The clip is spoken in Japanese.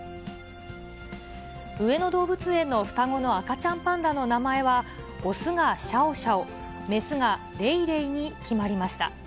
上野動物園の双子の赤ちゃんパンダの名前は、雄がシャオシャオ、雌がレイレイに決まりました。